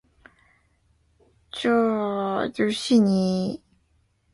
这就是你龙哥呀